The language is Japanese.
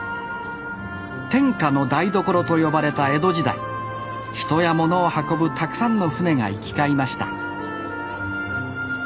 天下の台所と呼ばれた江戸時代人や物を運ぶたくさんの舟が行き交いました